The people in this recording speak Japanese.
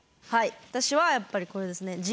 はい私はやっぱりこれですね。